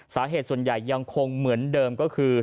สาเหตุส่วนใหญ่ยังคงเหมือนเดิมก็คือ